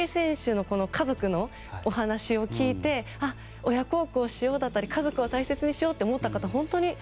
森重選手の家族のお話を聞いて親孝行しようだったり家族を大切にしようと思った方